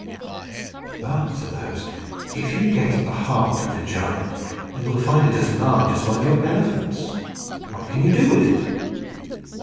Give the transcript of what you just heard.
"But," said their host, "if you get at the heart of the giant, you will find it as large as one of your elephants. What can you do with it?"